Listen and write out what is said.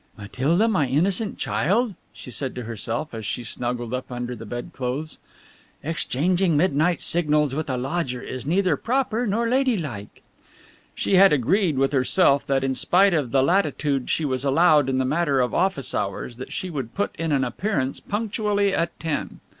"Matilda, my innocent child," she said to herself, as she snuggled up under the bed clothes, "exchanging midnight signals with a lodger is neither proper nor lady like." She had agreed with herself that in spite of the latitude she was allowed in the matter of office hours, that she would put in an appearance punctually at ten.